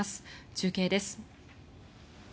中継です。